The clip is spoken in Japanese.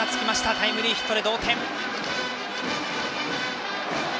タイムリーヒットで同点。